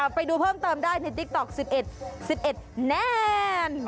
เออไปดูเพิ่มเติมได้ในติ๊กต๊อกสิบเอ็ดสิบเอ็ดแนน